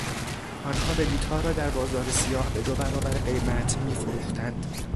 آنها بلیطها را در بازار سیاه به دو برابر قیمت میفروختند.